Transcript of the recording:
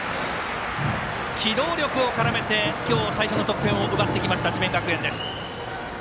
機動力を絡めて今日最初の得点を奪ってきました智弁学園です。